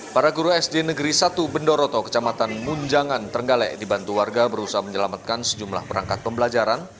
para guru sd negeri satu bendoroto kecamatan munjangan trenggalek dibantu warga berusaha menyelamatkan sejumlah perangkat pembelajaran